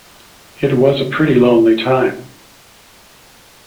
It was a pretty lonely time.